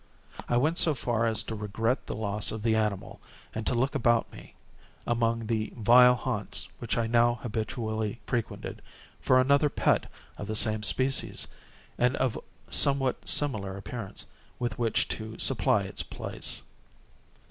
I went so far as to regret the loss of the animal, and to look about me, among the vile haunts which I now habitually frequented, for another pet of the same species, and of somewhat similar appearance, with which to supply its place.